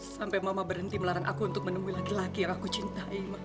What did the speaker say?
sampai mama berhenti melarang aku untuk menemui laki laki yang aku cintai